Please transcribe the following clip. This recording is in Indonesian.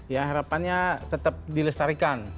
ya harapannya tetap dilestarikan